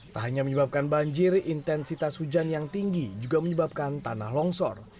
tak hanya menyebabkan banjir intensitas hujan yang tinggi juga menyebabkan tanah longsor